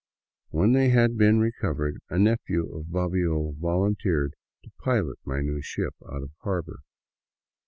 When they had been recovered, a nephew of Bobbio volunteered to pilot my new ship out of harbor.